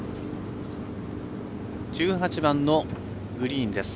１８番のグリーンです。